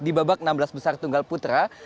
di babak enam belas besar tunggal putra